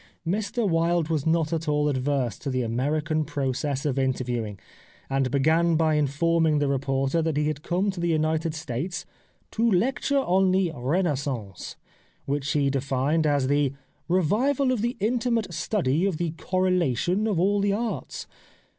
" Mr Wilde was not at all adverse to the Am.erican process of interviewing, and began by informing the reporter that he had come to the United States ' to lecture on the Renaissance ' which he defined as the * revival of the intimate study of the correlation of all the arts.'